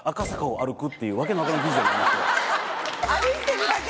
歩いてるだけ？